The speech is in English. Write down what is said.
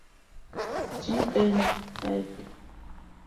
G. N. Wright.